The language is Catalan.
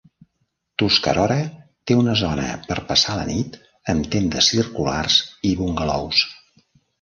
Tuscarora té una zona per passar la nit amb tendes circulars i bungalows.